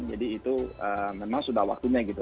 jadi itu memang sudah waktunya gitu